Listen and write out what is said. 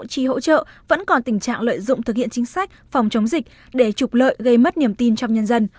chi hỗ trợ vẫn còn tình trạng lợi dụng thực hiện chính sách phòng chống dịch để trục lợi gây mất niềm tin trong nhân dân